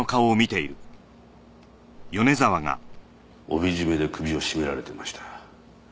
帯締めで首を絞められていました。